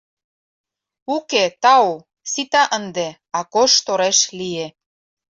— Уке, тау, сита ынде, — Акош тореш лие.